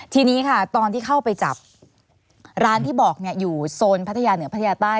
ทีนี้ค่ะตอนที่เข้าไปจับร้านที่บอกอยู่โซนพัทยาเหนือพัทยาใต้